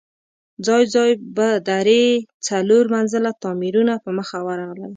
ځای ځای به درې، څلور منزله تاميرونه په مخه ورغلل.